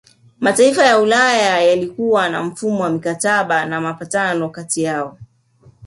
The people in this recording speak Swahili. Mataifa ya Ulaya yalikuwa na mfumo wa mikataba na mapatano kati yao